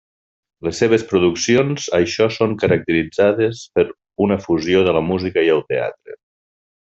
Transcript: Les seves produccions això són caracteritzades per una fusió de la música i el teatre.